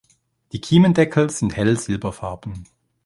Die Kiemendeckel sind hell-silberfarben.